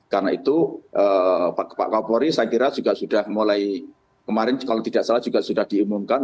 karena itu pak kapolri saya kira juga sudah mulai kemarin kalau tidak salah juga sudah diumumkan